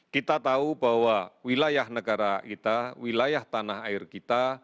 kita tahu bahwa wilayah negara kita wilayah tanah air kita